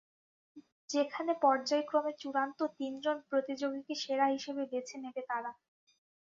যেখানে পর্যায়ক্রমে চূড়ান্ত তিন জন প্রতিযোগীকে সেরা হিসেবে বেছে নেবে তারা।